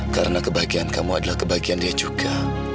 karena kebahagiaan kamu adalah kebahagiaan dia juga